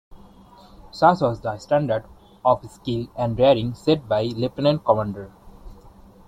Such was the standard of skill and daring set by Lt.Cdr.